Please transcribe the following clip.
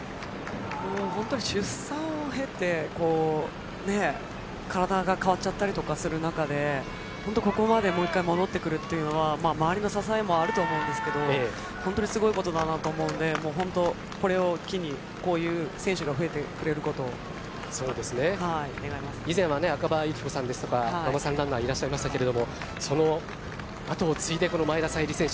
もう本当に出産を経て体が変わっちゃったりとかする中でここまでもう１回戻ってくるっていうのは周りの支えもあると思うんですけど本当にすごいことだなと思うんで本当これを機にこういう選手が増えてくれることを以前は赤羽有紀子さんですとかママさんランナーいらっしゃいましたけどそのあとを継いでこの前田彩里選手